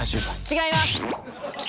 違います？